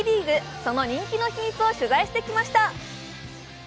その人気の秘密を取材してきました。